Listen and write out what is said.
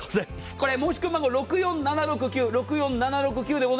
これ、申込番号６４７６９です。